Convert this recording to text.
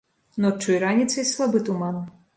Ноччу і раніцай слабы туман.